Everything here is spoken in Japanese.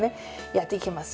やっていきますよ。